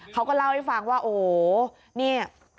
เขาก็เล่าให้ฟังว่าโอ้โหเนี่ย